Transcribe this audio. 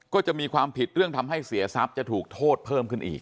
ก็จะมีความผิดเรื่องทำให้เสียทรัพย์จะถูกโทษเพิ่มขึ้นอีก